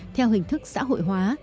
theo hình thức xã hội hóa